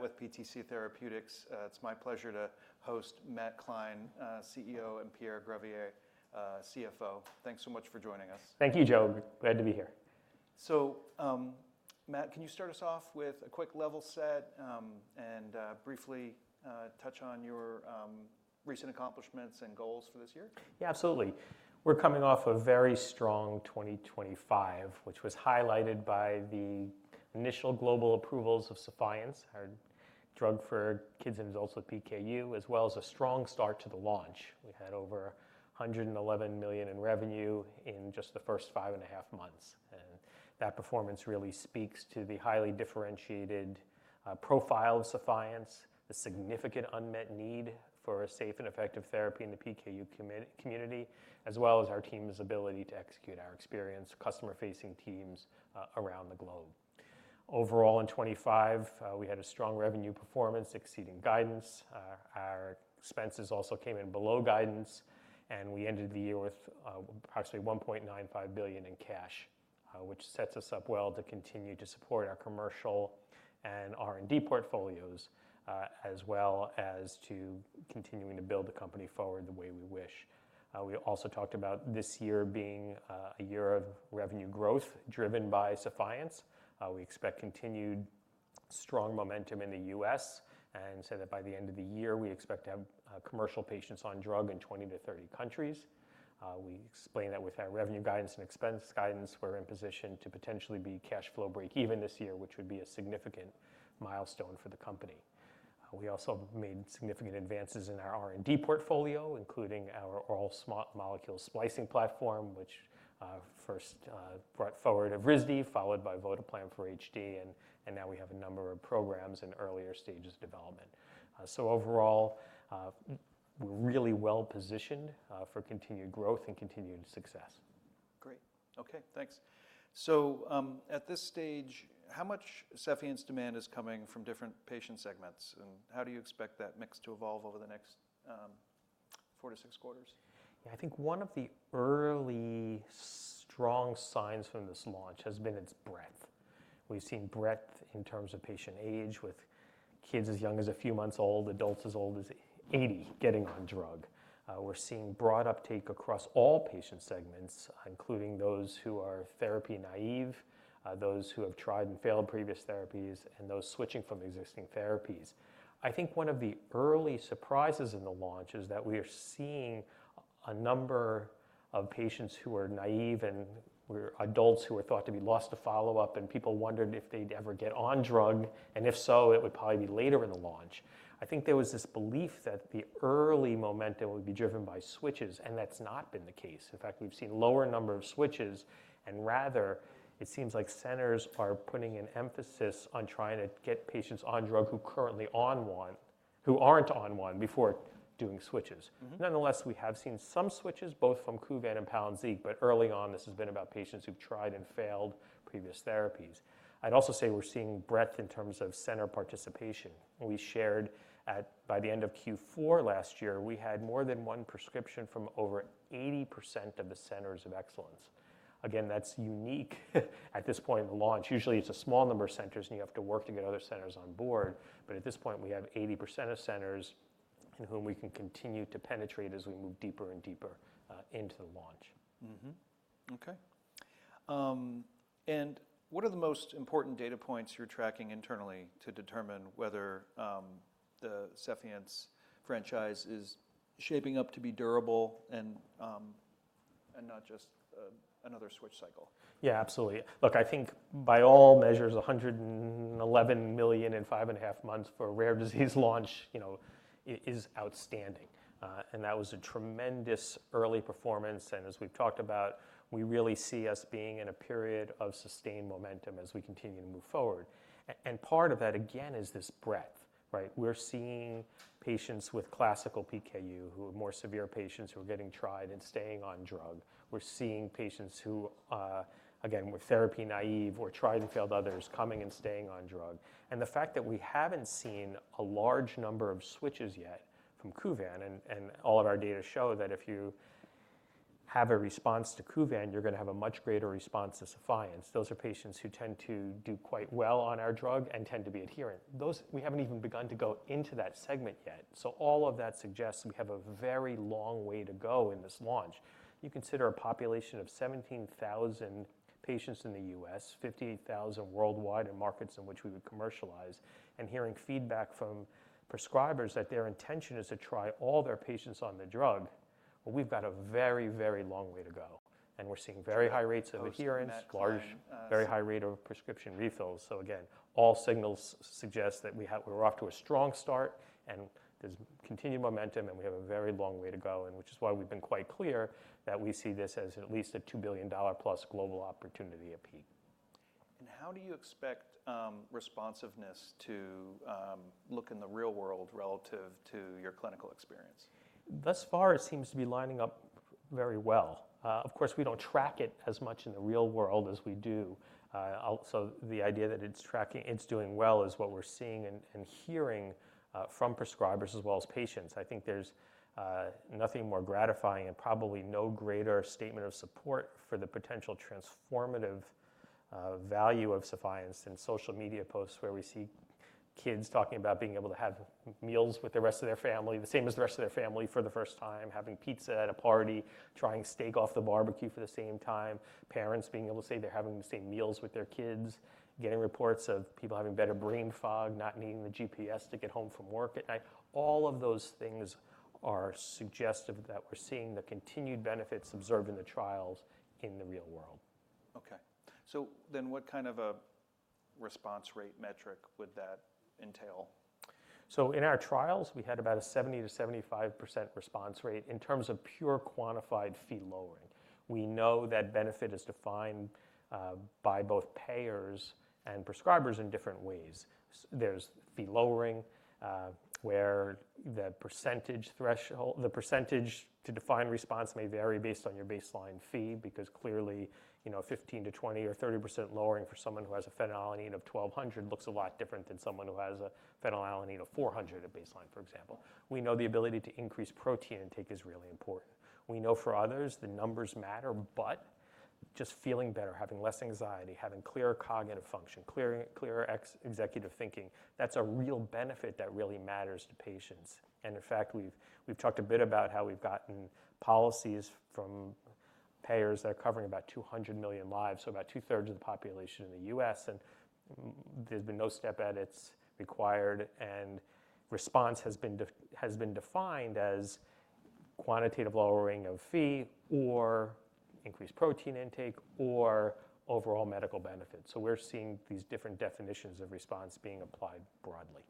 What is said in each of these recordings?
With PTC Therapeutics, it's my pleasure to host Matthew B. Klein, CEO, and Pierre Gravier, CFO. Thanks so much for joining us. Thank you, Joe. Glad to be here. Matt, can you start us off with a quick level set and briefly touch on your recent accomplishments and goals for this year? Yeah, absolutely. We're coming off a very strong 2025, which was highlighted by the initial global approvals of Sephience, our drug for kids and adults with PKU, as well as a strong start to the launch. We had over $111 million in revenue in just the first five and a half months, and that performance really speaks to the highly differentiated profile of Sephience, the significant unmet need for a safe and effective therapy in the PKU community, as well as our team's ability to execute, our experienced customer-facing teams around the globe. Overall, in 2025, we had a strong revenue performance exceeding guidance. Our expenses also came in below guidance, and we ended the year with approximately $1.95 billion in cash, which sets us up well to continue to support our commercial and R&D portfolios, as well as to continuing to build the company forward the way we wish. We also talked about this year being a year of revenue growth driven by Sephience. We expect continued strong momentum in the U.S. and say that by the end of the year, we expect to have commercial patients on drug in 20-30 countries. We explained that with our revenue guidance and expense guidance, we're in position to potentially be cash flow break even this year, which would be a significant milestone for the company. We also made significant advances in our R&D portfolio, including our oral small molecule splicing platform, which first brought forward Evrysdi, followed by votoplam for HD, and now we have a number of programs in earlier stages of development. Overall, we're really well-positioned for continued growth and continued success. Great. Okay, thanks. At this stage, how much Sephience demand is coming from different patient segments, and how do you expect that mix to evolve over the next, four to six quarters? Yeah. I think one of the early strong signs from this launch has been its breadth. We've seen breadth in terms of patient age with kids as young as a few months old, adults as old as 80 getting on drug. We're seeing broad uptake across all patient segments, including those who are therapy naive, those who have tried and failed previous therapies, and those switching from existing therapies. I think one of the early surprises in the launch is that we are seeing a number of patients who are naive and were adults who were thought to be lost to follow-up, and people wondered if they'd ever get on drug, and if so, it would probably be later in the launch. I think there was this belief that the early momentum would be driven by switches, and that's not been the case. In fact, we've seen lower number of switches, and rather, it seems like centers are putting an emphasis on trying to get patients on drug who aren't on one before doing switches. Mm-hmm. Nonetheless, we have seen some switches, both from Kuvan and Palynziq, but early on, this has been about patients who've tried and failed previous therapies. I'd also say we're seeing breadth in terms of center participation. We shared by the end of Q4 last year, we had more than one prescription from over 80% of the centers of excellence. Again, that's unique at this point in the launch. Usually, it's a small number of centers, and you have to work to get other centers on board. At this point, we have 80% of centers from whom we can continue to penetrate as we move deeper and deeper into the launch. Okay. What are the most important data points you're tracking internally to determine whether the Sephience franchise is shaping up to be durable and not just another switch cycle? Yeah, absolutely. Look, I think by all measures, $111 million in five and a half months for a rare disease launch, you know, is outstanding. That was a tremendous early performance, and as we've talked about, we really see us being in a period of sustained momentum as we continue to move forward. Part of that, again, is this breadth, right? We're seeing patients with classical PKU who are more severe patients who are getting tried and staying on drug. We're seeing patients who, again, were therapy naive or tried and failed others coming and staying on drug. The fact that we haven't seen a large number of switches yet from Kuvan, and all of our data show that if you have a response to Kuvan, you're gonna have a much greater response to Sephience. Those are patients who tend to do quite well on our drug and tend to be adherent. We haven't even begun to go into that segment yet. All of that suggests we have a very long way to go in this launch. You consider a population of 17,000 patients in the US, 58,000 worldwide in markets in which we would commercialize, and hearing feedback from prescribers that their intention is to try all their patients on the drug, well, we've got a very, very long way to go, and we're seeing very high rates of adherence. Matt Klein. Large, very high rate of prescription refills. Again, all signals suggest that we're off to a strong start, and there's continued momentum, and we have a very long way to go, and which is why we've been quite clear that we see this as at least a $2+ billion global opportunity at peak. How do you expect responsiveness to look in the real world relative to your clinical experience? Thus far, it seems to be lining up very well. Of course, we don't track it as much in the real world as we do. The idea that it's doing well is what we're seeing and hearing from prescribers as well as patients. I think there's nothing more gratifying and probably no greater statement of support for the potential transformative value of Sephience in social media posts where we see kids talking about being able to have meals with the rest of their family, the same as the rest of their family for the first time. Having pizza at a party, trying steak off the barbecue for the first time. Parents being able to say they're having the same meals with their kids. Getting reports of people having better brain fog, not needing the GPS to get home from work at night. All of those things are suggestive that we're seeing the continued benefits observed in the trials in the real world. Okay. What kind of a response rate metric would that entail? In our trials, we had about a 70%-75% response rate in terms of pure quantified Phe lowering. We know that benefit is defined by both payers and prescribers in different ways. There's Phe lowering, where the percentage threshold. The percentage to define response may vary based on your baseline Phe, because clearly, you know, 15%-20% or 30% lowering for someone who has a phenylalanine of 1,200 looks a lot different than someone who has a phenylalanine of 400 at baseline, for example. We know the ability to increase protein intake is really important. We know for others the numbers matter, but just feeling better, having less anxiety, having clearer cognitive function, clearer executive thinking, that's a real benefit that really matters to patients. In fact, we've talked a bit about how we've gotten policies from payers that are covering about 200 million lives, so about 2/3 of the population in the U.S. There's been no step edits required, and response has been defined as quantitative lowering of Phe or increased protein intake or overall medical benefits. We're seeing these different definitions of response being applied broadly.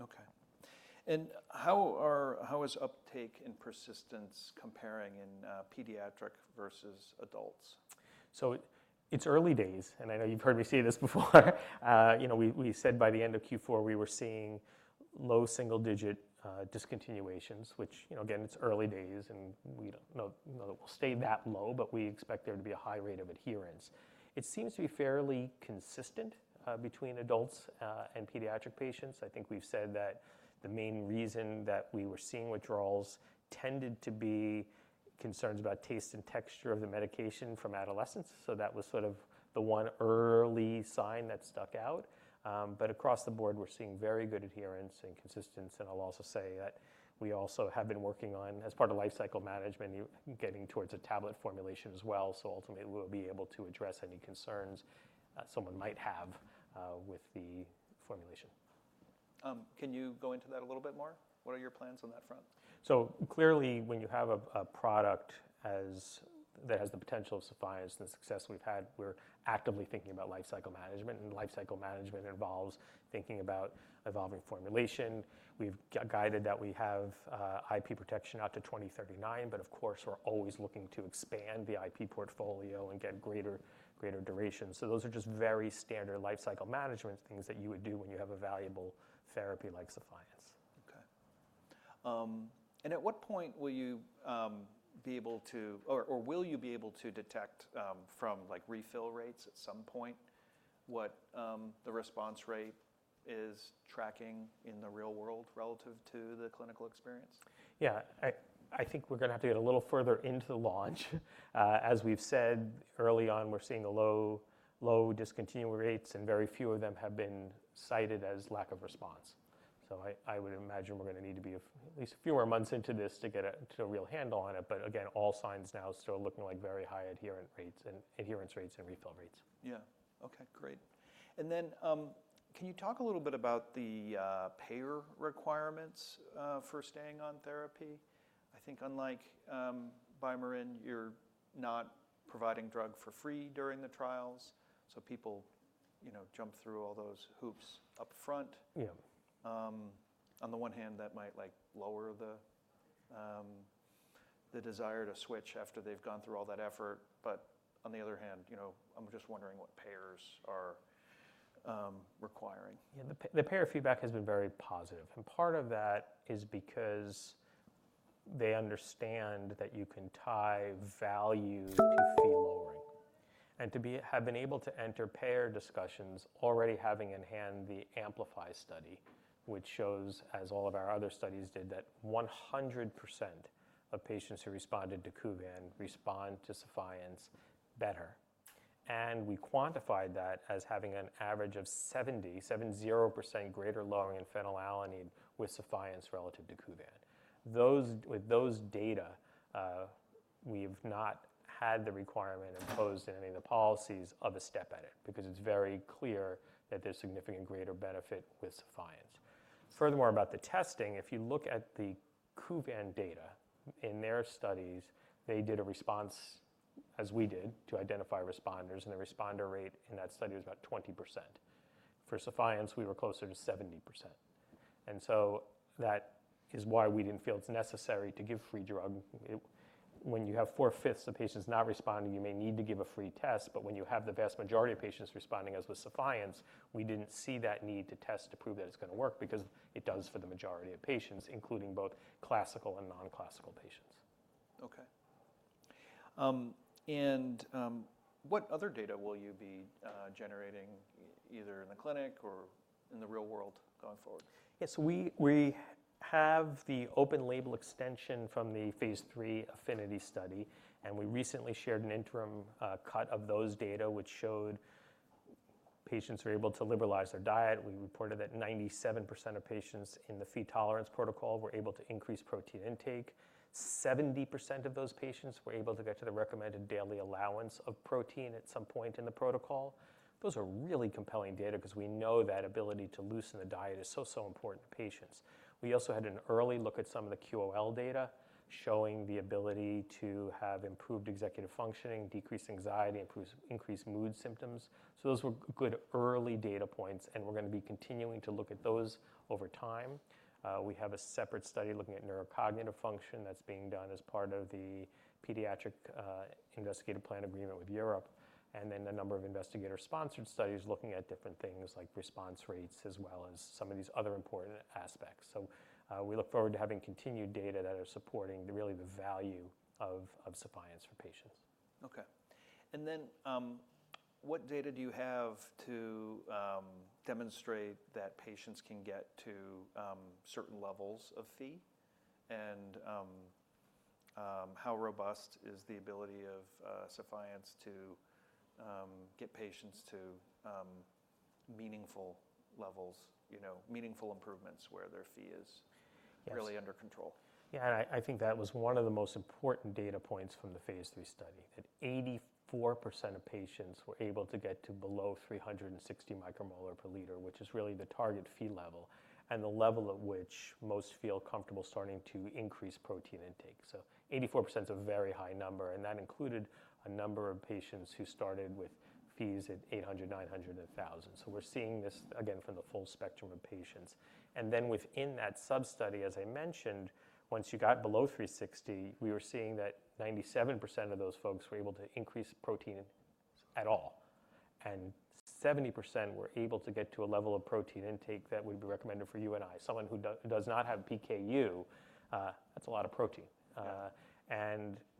Okay. How is uptake and persistence comparing in pediatric versus adults? It's early days, and I know you've heard me say this before. You know, we said by the end of Q4 we were seeing low single-digit discontinuations, which, you know, again, it's early days and we don't know that it will stay that low, but we expect there to be a high rate of adherence. It seems to be fairly consistent between adults and pediatric patients. I think we've said that the main reason that we were seeing withdrawals tended to be concerns about taste and texture of the medication from adolescents, so that was sort of the one early sign that stuck out. Across the board we're seeing very good adherence and consistency, and I'll also say that we also have been working on, as part of lifecycle management, getting towards a tablet formulation as well. Ultimately, we'll be able to address any concerns that someone might have with the formulation. Can you go into that a little bit more? What are your plans on that front? Clearly when you have a product that has the potential of Sephience and the success we've had, we're actively thinking about lifecycle management, and lifecycle management involves thinking about evolving formulation. We've guided that we have IP protection out to 2039, but of course, we're always looking to expand the IP portfolio and get greater duration. Those are just very standard lifecycle management things that you would do when you have a valuable therapy like Sephience. Okay. At what point will you be able to detect from, like, refill rates at some point what the response rate is tracking in the real world relative to the clinical experience? Yeah. I think we're gonna have to get a little further into the launch. As we've said early on, we're seeing low discontinue rates, and very few of them have been cited as lack of response. I would imagine we're gonna need to be at least a few more months into this to get a real handle on it. Again, all signs now still looking like very high adherence rates and refill rates. Yeah. Okay, great. Can you talk a little bit about the payer requirements for staying on therapy? I think unlike BioMarin, you're not providing drug for free during the trials, so people, you know, jump through all those hoops up front. Yeah. On the one hand that might, like, lower the desire to switch after they've gone through all that effort, but on the other hand, you know, I'm just wondering what payers are requiring. Yeah. The payer feedback has been very positive, and part of that is because they understand that you can tie value to Phe lowering. To have been able to enter payer discussions already having in hand the AMPLIPHY study, which shows, as all of our other studies did, that 100% of patients who responded to Kuvan respond to Sephience better. We quantified that as having an average of 70% greater lowering in phenylalanine with Sephience relative to Kuvan. With those data, we've not had the requirement imposed in any of the policies of a step edit because it's very clear that there's significant greater benefit with Sephience. Furthermore, about the testing, if you look at the Kuvan data, in their studies, they did a response, as we did, to identify responders, and the responder rate in that study was about 20%. For Sephience, we were closer to 70%, and so that is why we didn't feel it's necessary to give free drug. It. When you have four-fifths of patients not responding, you may need to give a free test, but when you have the vast majority of patients responding as with Sephience, we didn't see that need to test to prove that it's gonna work because it does for the majority of patients, including both classical and non-classical patients. Okay. What other data will you be generating either in the clinic or in the real world going forward? Yes, we have the open label extension from the phase III APHENITY study, and we recently shared an interim cut of those data which showed patients were able to liberalize their diet. We reported that 97% of patients in the Phe tolerance protocol were able to increase protein intake. 70% of those patients were able to get to the recommended daily allowance of protein at some point in the protocol. Those are really compelling data because we know that ability to loosen the diet is so important to patients. We also had an early look at some of the QOL data showing the ability to have improved executive functioning, decreased anxiety, increased mood symptoms. Those were good early data points, and we're gonna be continuing to look at those over time. We have a separate study looking at neurocognitive function that's being done as part of the pediatric investigational plan agreement with Europe, and then a number of investigator-sponsored studies looking at different things like response rates as well as some of these other important aspects. We look forward to having continued data that are supporting the really the value of Sephience for patients. Okay. What data do you have to demonstrate that patients can get to certain levels of Phe? How robust is the ability of Sephience to get patients to meaningful levels, you know, meaningful improvements where their Phe is- Yes Really under control? Yeah. I think that was one of the most important data points from the phase III study, that 84% of patients were able to get to below 360 micromolar per liter, which is really the target Phe level and the level at which most feel comfortable starting to increase protein intake. 84% is a very high number, and that included a number of patients who started with Phe at 800, 900, and 1,000. We're seeing this again from the full spectrum of patients. Within that sub-study, as I mentioned, once you got below 360, we were seeing that 97% of those folks were able to increase protein at all, and 70% were able to get to a level of protein intake that would be recommended for you and I. Someone who does not have PKU, that's a lot of protein. Yeah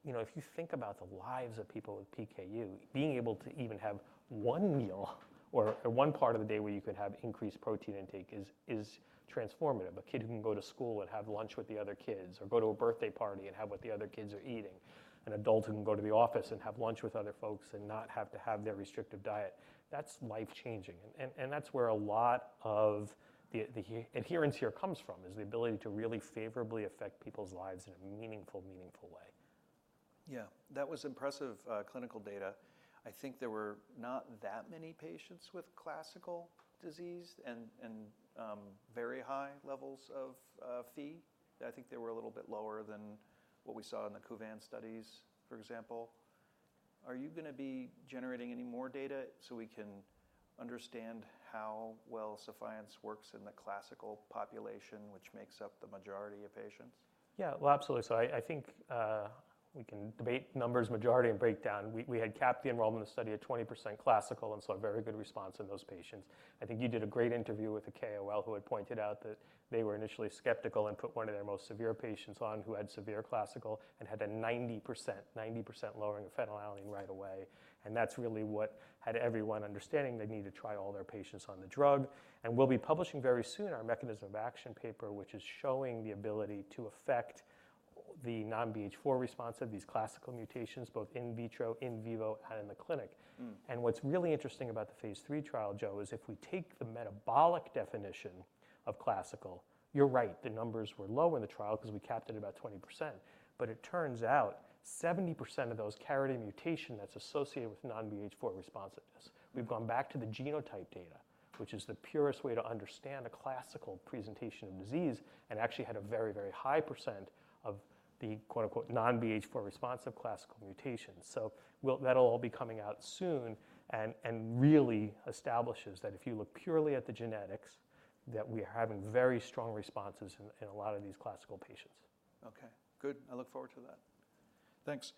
You know, if you think about the lives of people with PKU, being able to even have one meal or one part of the day where you could have increased protein intake is transformative. A kid who can go to school and have lunch with the other kids or go to a birthday party and have what the other kids are eating, an adult who can go to the office and have lunch with other folks and not have to have their restrictive diet, that's life-changing. That's where a lot of the adherence here comes from, is the ability to really favorably affect people's lives in a meaningful way. Yeah. That was impressive clinical data. I think there were not that many patients with classical disease and very high levels of Phe. I think they were a little bit lower than what we saw in the Kuvan studies, for example. Are you gonna be generating any more data so we can understand how well Sephience works in the classical population, which makes up the majority of patients? Yeah. Well, absolutely. I think we can debate numbers, majority, and breakdown. We had capped the enrollment of study at 20% classical and saw a very good response in those patients. I think you did a great interview with the KOL, who had pointed out that they were initially skeptical and put one of their most severe patients on, who had severe classical and had a 90% lowering of phenylalanine right away, and that's really what had everyone understanding they need to try all their patients on the drug. We'll be publishing very soon our mechanism of action paper, which is showing the ability to affect the non-BH4 responsive, these classical mutations, both in vitro, in vivo, and in the clinic. Mm. What's really interesting about the phase III trial, Joe, is if we take the metabolic definition of classical, you're right, the numbers were low in the trial because we capped it about 20%, but it turns out 70% of those carried a mutation that's associated with non-BH4 responsiveness. We've gone back to the genotype data, which is the purest way to understand a classical presentation of disease, and actually had a very, very high % of the quote unquote "non-BH4 responsive classical mutations." So that'll all be coming out soon and really establishes that if you look purely at the genetics, that we're having very strong responses in a lot of these classical patients. Okay. Good. I look forward to that. Thanks.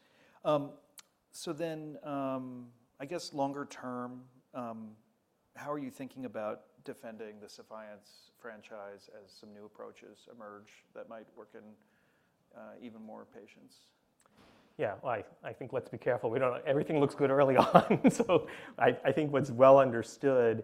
I guess longer term, how are you thinking about defending the Sephience franchise as some new approaches emerge that might work in even more patients? Yeah. Well, I think let's be careful. Everything looks good early on so I think what's well understood,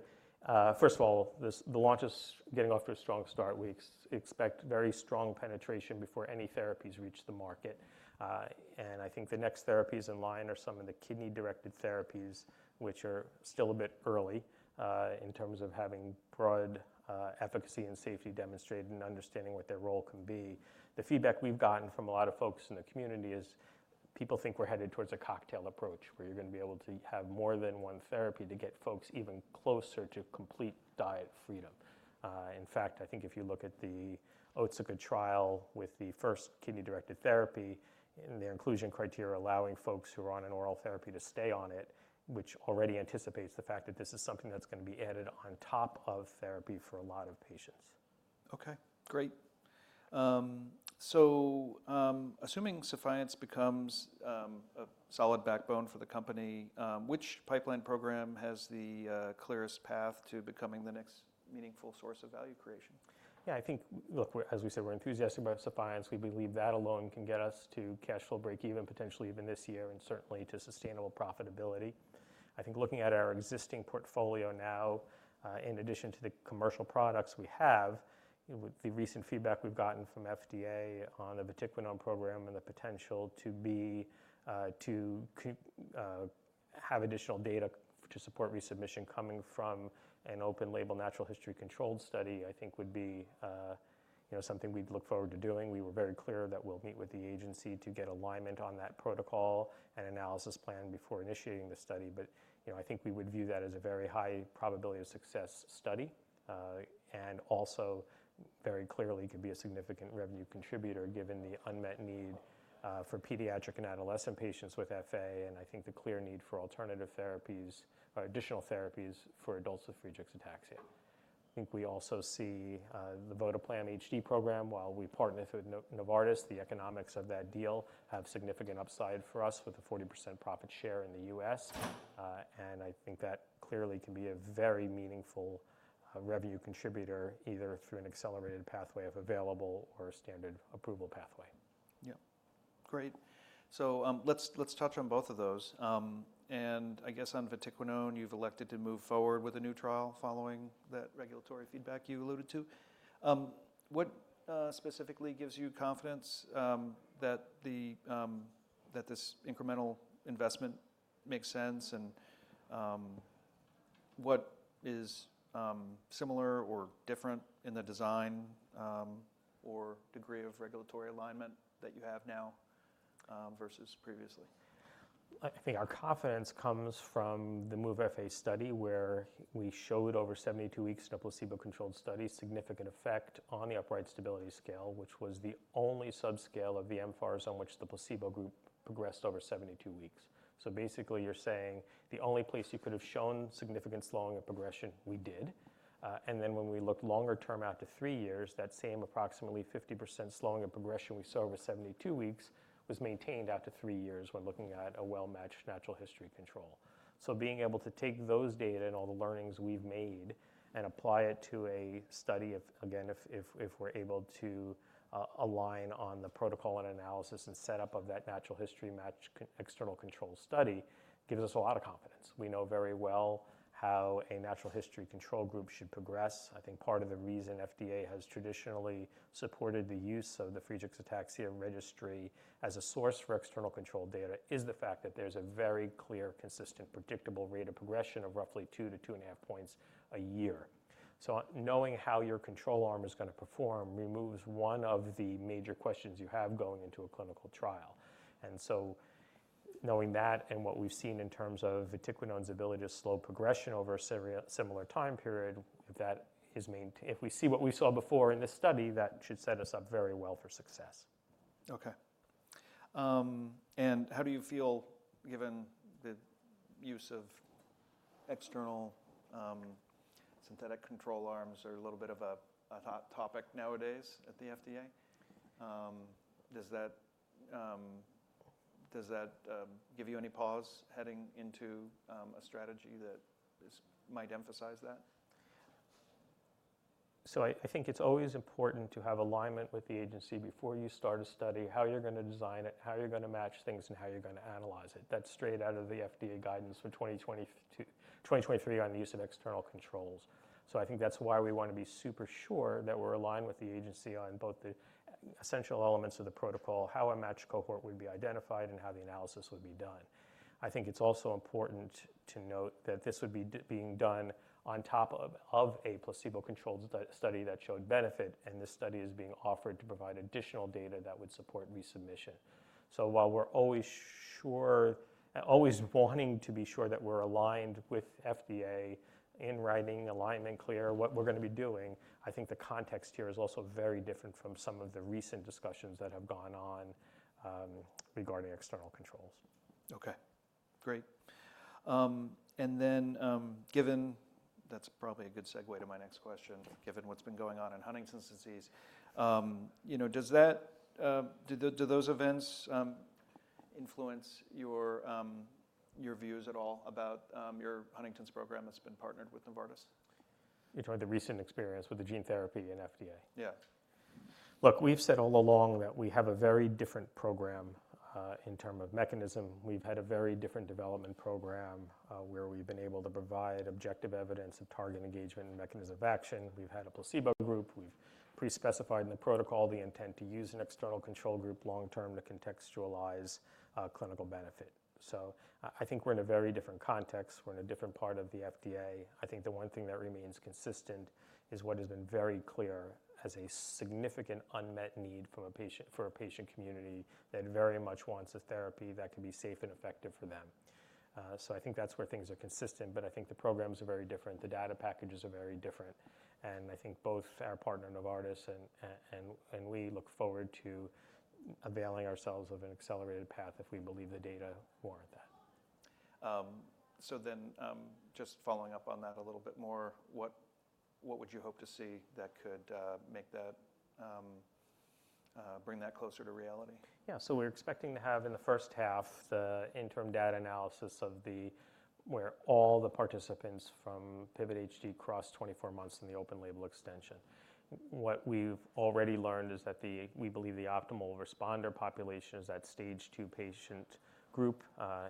first of all, the launch is getting off to a strong start. We expect very strong penetration before any therapies reach the market. I think the next therapies in line are some of the kidney-directed therapies, which are still a bit early in terms of having broad efficacy and safety demonstrated and understanding what their role can be. The feedback we've gotten from a lot of folks in the community is people think we're headed towards a cocktail approach, where you're gonna be able to have more than one therapy to get folks even closer to complete diet freedom. In fact, I think if you look at the Otsuka trial with the first kidney-directed therapy and their inclusion criteria allowing folks who are on an oral therapy to stay on it, which already anticipates the fact that this is something that's gonna be added on top of therapy for a lot of patients. Assuming Sephience becomes a solid backbone for the company, which pipeline program has the clearest path to becoming the next meaningful source of value creation? Yeah. I think, look, as we said, we're enthusiastic about Sephience. We believe that alone can get us to cash flow breakeven potentially even this year and certainly to sustainable profitability. I think looking at our existing portfolio now, in addition to the commercial products we have, you know, with the recent feedback we've gotten from FDA on the vatiquinone program and the potential to have additional data to support resubmission coming from an open label natural history controlled study, I think would be, you know, something we'd look forward to doing. We were very clear that we'll meet with the agency to get alignment on that protocol and analysis plan before initiating the study. You know, I think we would view that as a very high probability of success study, and also very clearly could be a significant revenue contributor given the unmet need, for pediatric and adolescent patients with FA, and I think the clear need for alternative therapies or additional therapies for adults with Friedreich's ataxia. I think we also see, the votoplam HD program, while we partner with Novartis, the economics of that deal have significant upside for us with a 40% profit share in the U.S. I think that clearly can be a very meaningful revenue contributor, either through an accelerated pathway if available or a standard approval pathway. Yeah. Great. Let's touch on both of those. I guess on vatiquinone, you've elected to move forward with a new trial following that regulatory feedback you alluded to. What specifically gives you confidence that this incremental investment makes sense, and what is similar or different in the design or degree of regulatory alignment that you have now versus previously? I think our confidence comes from the MOVE-FA study, where we showed over 72 weeks in a placebo-controlled study, significant effect on the Upright Stability subscale, which was the only subscale of the mFARS on which the placebo group progressed over 72 weeks. Basically, you're saying the only place you could have shown significant slowing of progression, we did. When we looked longer term out to three years, that same approximately 50% slowing of progression we saw over 72 weeks was maintained out to three years when looking at a well-matched natural history control. Being able to take those data and all the learnings we've made and apply it to a study if, again, if we're able to align on the protocol and analysis and setup of that natural history matched external control study gives us a lot of confidence. We know very well how a natural history control group should progress. I think part of the reason FDA has traditionally supported the use of the Friedreich's ataxia registry as a source for external control data is the fact that there's a very clear, consistent, predictable rate of progression of roughly two to 2.5 points a year. Knowing how your control arm is gonna perform removes one of the major questions you have going into a clinical trial. Knowing that and what we've seen in terms of vatiquinone's ability to slow progression over a similar time period, if we see what we saw before in this study, that should set us up very well for success. Okay. How do you feel given the use of external synthetic control arms are a little bit of a hot topic nowadays at the FDA? Does that give you any pause heading into a strategy that might emphasize that? I think it's always important to have alignment with the agency before you start a study, how you're gonna design it, how you're gonna match things, and how you're gonna analyze it. That's straight out of the FDA guidance for 2023 on the use of external controls. I think that's why we wanna be super sure that we're aligned with the agency on both the essential elements of the protocol, how a matched cohort would be identified, and how the analysis would be done. I think it's also important to note that this would be being done on top of a placebo-controlled study that showed benefit, and this study is being offered to provide additional data that would support resubmission. While we're always wanting to be sure that we're aligned with FDA in writing, alignment clear, what we're gonna be doing, I think the context here is also very different from some of the recent discussions that have gone on regarding external controls. Okay. Great. That's probably a good segue to my next question. Given what's been going on in Huntington's disease, you know, do those events influence your views at all about your Huntington's program that's been partnered with Novartis? You're talking about the recent experience with the gene therapy and FDA? Yeah. Look, we've said all along that we have a very different program in terms of mechanism. We've had a very different development program where we've been able to provide objective evidence of target engagement and mechanism of action. We've had a placebo group. We've pre-specified in the protocol the intent to use an external control group long term to contextualize clinical benefit. I think we're in a very different context. We're in a different part of the FDA. I think the one thing that remains consistent is what has been very clear as a significant unmet need from a patient for a patient community that very much wants a therapy that can be safe and effective for them. I think that's where things are consistent, but I think the programs are very different. The data packages are very different. I think both our partner, Novartis, and we look forward to availing ourselves of an accelerated path if we believe the data warrant that. Just following up on that a little bit more, what would you hope to see that could bring that closer to reality? Yeah. We're expecting to have in the first half the interim data analysis of where all the participants from PIVOT-HD cross 24 months in the open label extension. What we've already learned is that we believe the optimal responder population is that stage 2 patient group.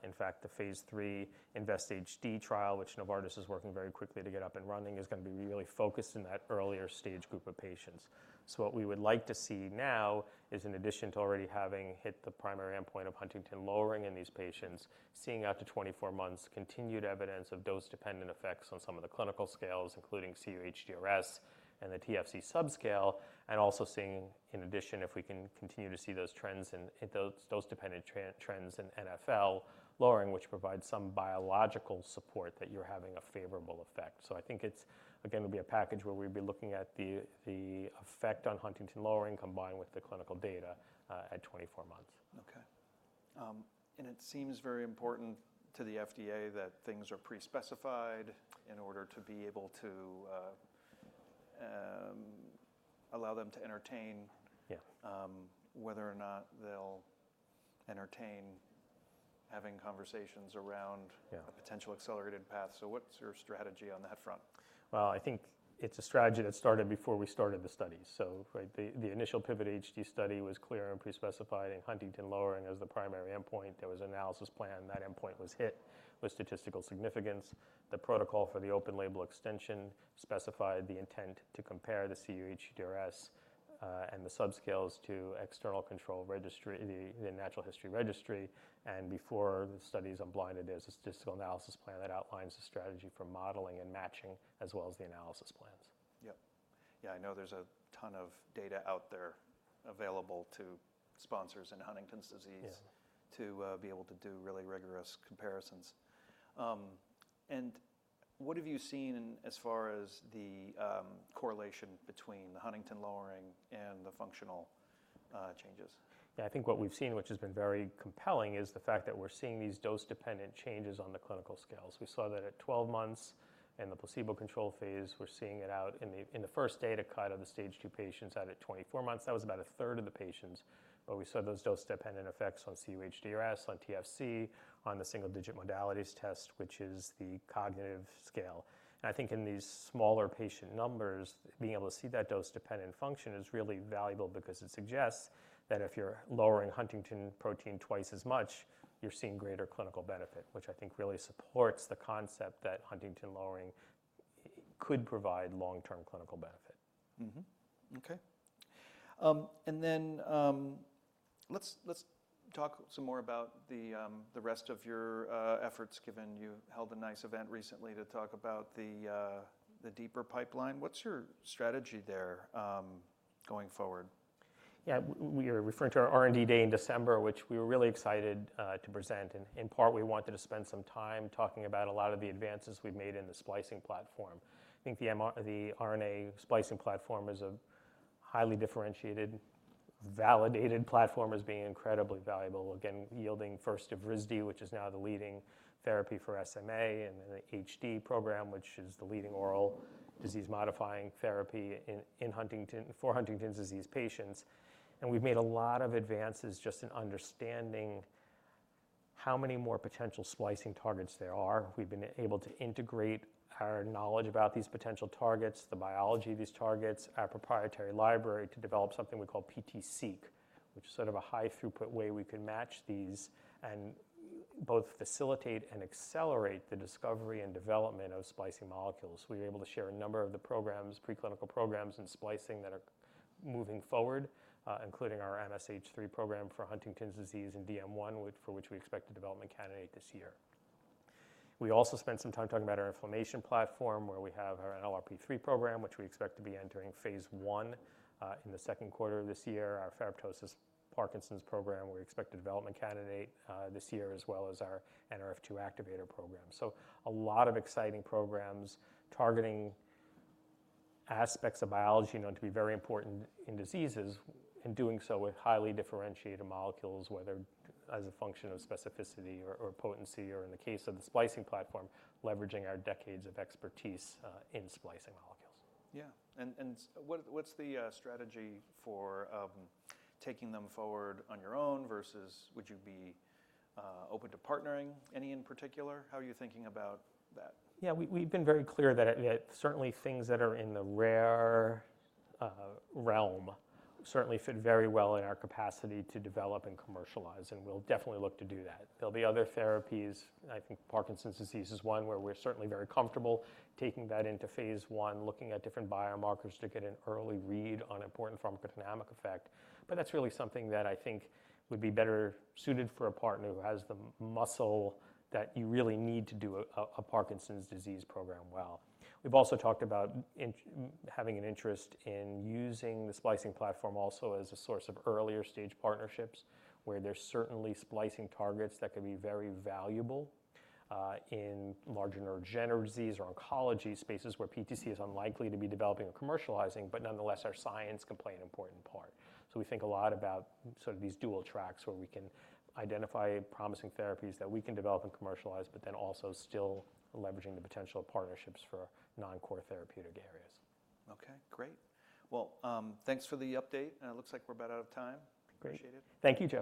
In fact, the phase III INVEST-HD trial, which Novartis is working very quickly to get up and running, is gonna be really focused in that earlier stage group of patients. What we would like to see now is, in addition to already having hit the primary endpoint of huntingtin lowering in these patients, seeing out to 24 months continued evidence of dose-dependent effects on some of the clinical scales, including cUHDRS and the TFC subscale, and also seeing, in addition, if we can continue to see those trends in those dose-dependent trends in NfL lowering, which provides some biological support that you're having a favorable effect. I think it's, again, will be a package where we'd be looking at the effect on huntingtin lowering combined with the clinical data at 24 months. It seems very important to the FDA that things are pre-specified in order to be able to allow them to entertain- Yeah whether or not they'll entertain having conversations around Yeah A potential accelerated path. What's your strategy on that front? Well, I think it's a strategy that started before we started the study. Right, the initial PIVOT-HD study was clear and pre-specified, and huntingtin lowering as the primary endpoint. There was an analysis plan. That endpoint was hit with statistical significance. The protocol for the open label extension specified the intent to compare the cUHDRS and the subscales to external control registry, the natural history registry, and before the study's unblinded, there's a statistical analysis plan that outlines the strategy for modeling and matching as well as the analysis plans. Yep. Yeah, I know there's a ton of data out there available to sponsors in Huntington's disease. Yeah To be able to do really rigorous comparisons. What have you seen insofar as the correlation between the huntingtin lowering and the functional changes? Yeah, I think what we've seen, which has been very compelling, is the fact that we're seeing these dose-dependent changes on the clinical scales. We saw that at 12 months in the placebo control phase. We're seeing it out in the first data cut of the stage two patients out at 24 months. That was about a third of the patients, but we saw those dose-dependent effects on cUHDRS, on TFC, on the Symbol Digit Modalities Test, which is the cognitive scale. I think in these smaller patient numbers, being able to see that dose-dependent function is really valuable because it suggests that if you're lowering huntingtin protein twice as much, you're seeing greater clinical benefit, which I think really supports the concept that huntingtin lowering could provide long-term clinical benefit. Mm-hmm. Okay. Let's talk some more about the rest of your efforts, given you held a nice event recently to talk about the deeper pipeline. What's your strategy there, going forward? Yeah. We are referring to our R&D day in December, which we were really excited to present, and in part, we wanted to spend some time talking about a lot of the advances we've made in the splicing platform. I think the RNA splicing platform as a highly differentiated, validated platform as being incredibly valuable, again, yielding first Evrysdi, which is now the leading therapy for SMA, and then the HD program, which is the leading oral disease-modifying therapy in Huntington for Huntington's disease patients. We've made a lot of advances just in understanding how many more potential splicing targets there are. We've been able to integrate our knowledge about these potential targets, the biology of these targets, our proprietary library to develop something we call PTSeek, which is sort of a high-throughput way we can match these and both facilitate and accelerate the discovery and development of splicing molecules. We were able to share a number of the programs, preclinical programs, in splicing that are moving forward, including our MSH3 program for Huntington's disease and DM1, for which we expect a development candidate this year. We also spent some time talking about our inflammation platform, where we have our NLRP3 program, which we expect to be entering phase 1 in the second quarter of this year. Our ferroptosis Parkinson's program, we expect a development candidate this year, as well as our Nrf2 activator program. A lot of exciting programs targeting aspects of biology known to be very important in diseases, and doing so with highly differentiated molecules, whether as a function of specificity or potency, or in the case of the splicing platform, leveraging our decades of expertise in splicing molecules. Yeah. What's the strategy for taking them forward on your own versus would you be open to partnering any in particular? How are you thinking about that? Yeah. We've been very clear that it certainly things that are in the rare realm certainly fit very well in our capacity to develop and commercialize, and we'll definitely look to do that. There'll be other therapies, I think Parkinson's disease is one, where we're certainly very comfortable taking that into phase I, looking at different biomarkers to get an early read on important pharmacodynamic effect. That's really something that I think would be better suited for a partner who has the muscle that you really need to do a Parkinson's disease program well. We've also talked about having an interest in using the splicing platform also as a source of earlier stage partnerships, where there's certainly splicing targets that could be very valuable in larger neurodegenerative disease or oncology spaces where PTC is unlikely to be developing or commercializing, but nonetheless, our science can play an important part. We think a lot about sort of these dual tracks where we can identify promising therapies that we can develop and commercialize, but then also still leveraging the potential of partnerships for non-core therapeutic areas. Okay. Great. Well, thanks for the update, and it looks like we're about out of time. Great. Appreciate it. Thank you, Joe.